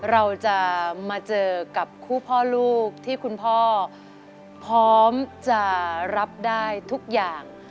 เราจะมาเจอกับคู่พ่อลูกที่คุณพ่อพร้อมจะรับได้ทุกอย่าง